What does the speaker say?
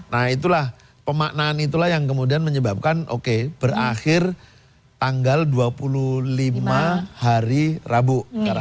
nah itulah pemaknaan itulah yang kemudian menyebabkan oke berakhir tanggal dua puluh lima hari rabu